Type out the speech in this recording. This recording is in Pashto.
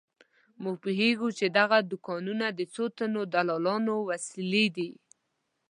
موږ پوهېږو چې دغه دوکانونه د څو تنو دلالانو وسیلې دي.